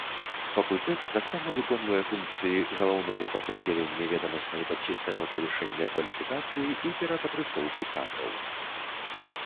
Факультэт таксама выконвае функцыі галаўнога падраздзялення ведамаснай падсістэмы павышэння кваліфікацыі і перападрыхтоўкі кадраў.